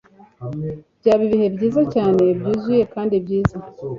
byaba ibihe byiza cyane, byuzuye kandi byiza